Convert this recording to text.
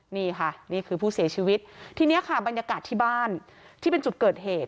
นี่ค่ะนี่คือผู้เสียชีวิตทีนี้ค่ะบรรยากาศที่บ้านที่เป็นจุดเกิดเหตุ